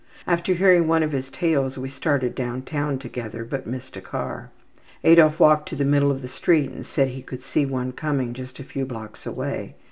After hearing one of his tales, we started downtown together, but missed a car. Adolf walked to the middle of the street and said he could see one coming just a few blocks away.